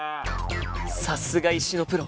さすが石のプロ